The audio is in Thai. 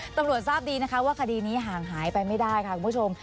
ตำรวจทราบดีนะคะว่าคดีนี้ห่างหายไปไม่ได้ค่ะคุณผู้ชม